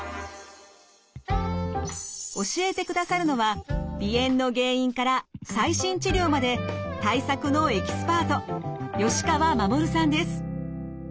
教えてくださるのは鼻炎の原因から最新治療まで対策のエキスパート吉川衛さんです。